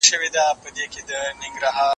زکات د مال د پاکوالي او برکت لاره ده.